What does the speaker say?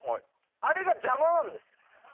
あれが邪魔なんです。